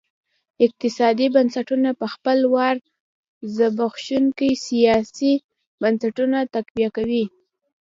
اقتصادي بنسټونه په خپل وار زبېښونکي سیاسي بنسټونه تقویه کوي.